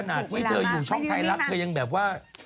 ขนาดที่เธออยู่ช่องท้ายรักเธอยังแบบว่า